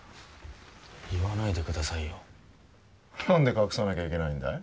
言わないでくださいよ何で隠さなきゃいけないんだい？